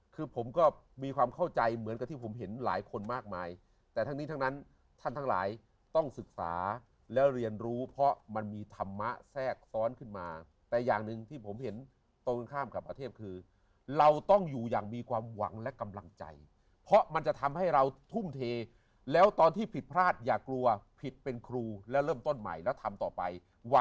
คือผมก็มีความเข้าใจเหมือนกับที่ผมเห็นหลายคนมากมายแต่ทั้งนี้ทั้งนั้นท่านทั้งหลายต้องศึกษาแล้วเรียนรู้เพราะมันมีธรรมะแทรกซ้อนขึ้นมาแต่อย่างหนึ่งที่ผมเห็นตรงกันข้ามกับประเทศคือเราต้องอยู่อย่างมีความหวังและกำลังใจเพราะมันจะทำให้เราทุ่มเทแล้วตอนที่ผิดพลาดอย่ากลัวผิดเป็นครูแล้วเริ่มต้นใหม่แล้วทำต่อไปว